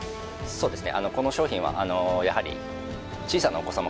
そうですね